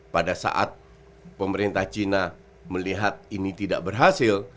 pada saat pemerintah china melihat ini tidak berhasil